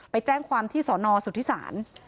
ไปแจ้งความที่สอนอสุทธิศาล